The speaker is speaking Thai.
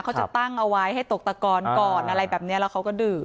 เขาจะตั้งเอาไว้ให้ตกตะกอนก่อนอะไรแบบนี้แล้วเขาก็ดื่ม